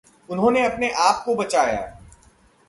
उन्होंने अपने आप को बचाया।